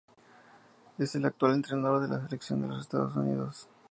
Es el actual entrenador de la selección de los Estados Unidos.